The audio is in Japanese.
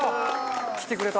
来てくれた！